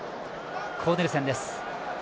コーネルセンです。